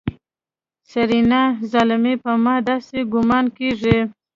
سېرېنا ظالمې په ما داسې ګومان کېږي.